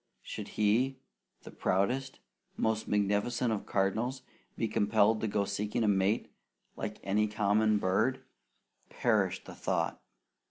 Should he, the proudest, most magnificent of cardinals, be compelled to go seeking a mate like any common bird? Perish the thought!